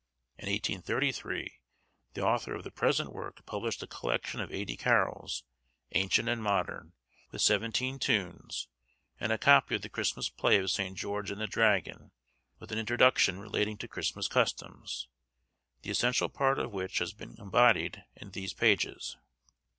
In 1833, the author of the present work published a collection of eighty carols, ancient and modern, with seventeen tunes; and a copy of the Christmas play of St. George and the Dragon, with an introduction relating to Christmas customs, the essential part of which has been embodied in these pages.